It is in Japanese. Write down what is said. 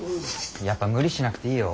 やっぱ無理しなくていいよ。